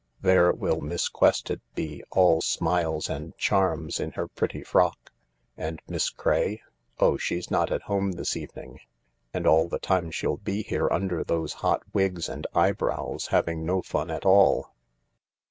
There will Miss Quested be, all smiles and charms in her pretty frock. And Miss Craye ? Oh, she's not at home this evening. And all the time she'll be here under these hot wigs and eyebrows, having no fun at all."